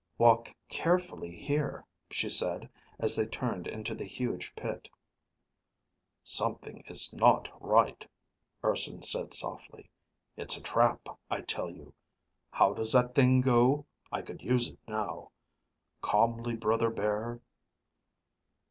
"Walk carefully here," she said as they turned into the huge pit. "Something is not right," Urson said softly. "It's a trap I tell you. How does that thing go? I could use it now. _Calmly brother bear